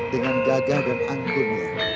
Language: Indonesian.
dengan gagah dan anggun